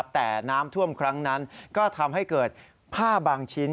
แต่น้ำท่วมครั้งนั้นก็ทำให้เกิดผ้าบางชิ้น